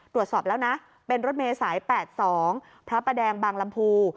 ตรวจสอบแล้วนะเป็นรถเมล์สายแปดสองพระประแดงบางลำภู